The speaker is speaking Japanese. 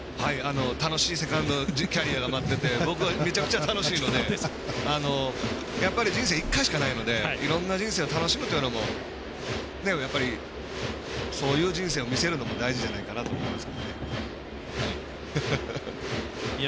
楽しいセカンドキャリアが待ってて僕は、めちゃくちゃ楽しいので人生、やっぱり１回しかないのでいろんな人生を楽しむというのもやっぱりそういう人生を見せるのも大事じゃないかと思います。